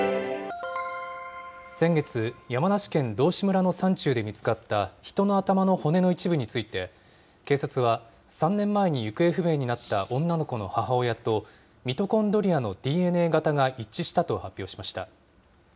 先月、山梨県道志村の山中で見つかった、人の頭の骨の一部について、警察は、３年前に行方不明になった女の子の母親とミトコンドリアのＤＮＡ型が一致したと発表しました。